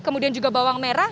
kemudian juga bawang merah